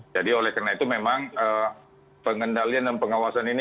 jadi oleh karena itu memang pengendalian dan pengawasan ini